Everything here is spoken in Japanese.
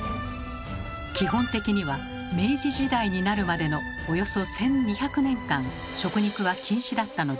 基本的には明治時代になるまでのおよそ１，２００年間食肉は禁止だったのです。